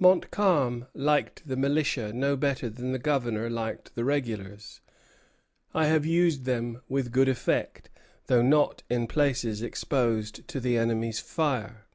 Montcalm liked the militia no better than the Governor liked the regulars. "I have used them with good effect, though not in places exposed to the enemy's fire.